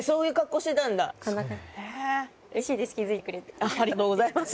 ありがとうございます。